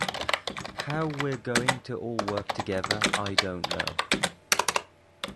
How we're going to all work together I don't know.